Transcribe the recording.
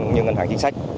cũng như ngân hàng chính sách